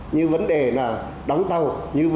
như vấn đề đóng tàu